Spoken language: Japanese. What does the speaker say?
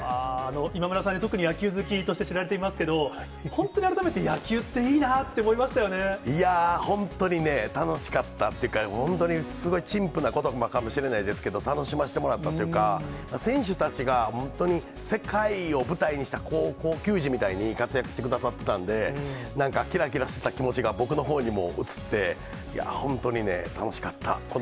今村さん、特に野球好きとして知られていますけど、本当に改めて、野球っていいなって思いまいやー、本当にね、楽しかったっていうか、本当にすごい陳腐なことばかもしれないですけど、楽しませてもらったというか、選手たちが本当に、世界を舞台にした高校球児みたいに活躍してくださったんで、なんかきらきらした気持ちが僕のほうにも移って、いやー、本当にね、楽しかった。